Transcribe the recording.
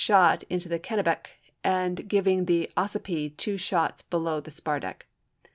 5, mt, shot into the Kennebec, and giving the Ossipee two shots below the spar deck.